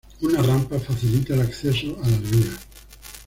Una rampa facilita el acceso a las vías.